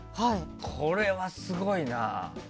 これはすごいな。